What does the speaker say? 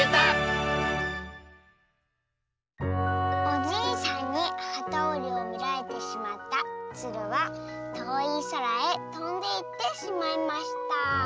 「おじいさんにはたおりをみられてしまったつるはとおいそらへとんでいってしまいました」。